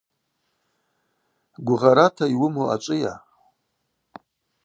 Гвыгъарата йуыму ачӏвыйа?